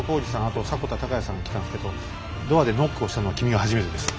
あと迫田孝也さん来たんですけどドアでノックをしたのは君が初めてです。